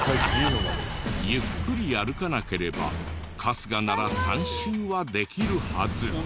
ゆっくり歩かなければ春日なら３周はできるはず。